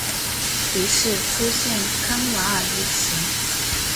于是出现康瓦尔一词。